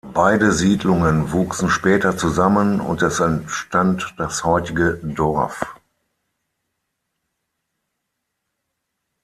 Beide Siedlungen wuchsen später zusammen, und es entstand das heutige Dorf.